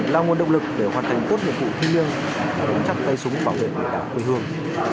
là nguồn động lực để hoàn thành tốt nhiệm vụ thi liêng chắc tay súng bảo vệ đảng quê hương